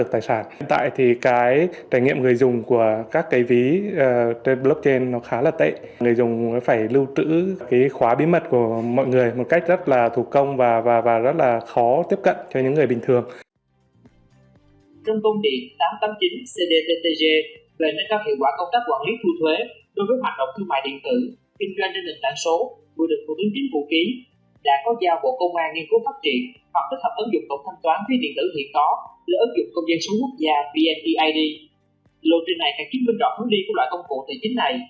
lộ truyền này khẳng chí bên trọng hướng đi các loại công cụ tài chính này